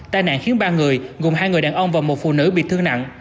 tai nạn khiến ba người gồm hai người đàn ông và một phụ nữ bị thương nặng